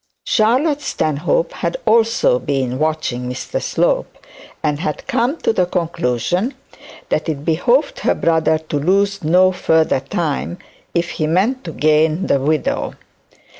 Charlotte Stanhope had also been watching Mr Slope, and had come to the conclusion that it behoved her brother to lose no further time, if he meant to gain the widow.